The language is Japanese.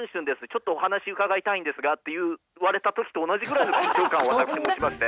ちょっとお話伺いたいんですが」って言われた時と同じぐらいの緊張感を私持ちまして。